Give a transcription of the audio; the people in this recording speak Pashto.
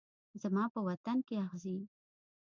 زما په وطن کې اغزي